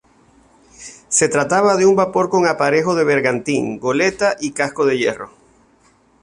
Se trataba de un vapor con aparejo de bergantín goleta y casco de hierro.